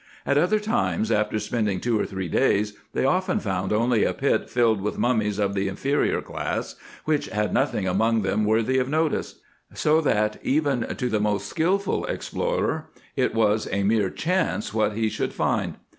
At other times, after spending two or three days, they often found only a pit filled with mummies of the inferior class, which had nothing among them worthy of notice : so that, even to the most skilful explorer, it was a mere chance what he should find.